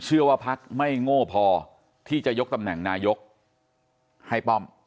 พักไม่โง่พอที่จะยกตำแหน่งนายกให้ป้อม